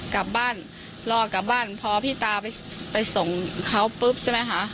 กลับบ้านรอกลับบ้านพอพี่ตาไปส่งเขาปุ๊บใช่ไหมคะ